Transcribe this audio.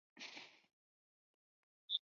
该中心隶属济南军区空军后勤部。